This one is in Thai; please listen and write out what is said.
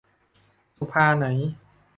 สุภา ไหน